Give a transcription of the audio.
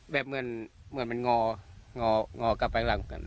แบบเหมือนมันงอกลับไปข้างหลัง